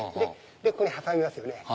ここに挟みますよね